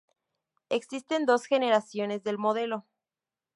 Existen dos generaciones del modelo.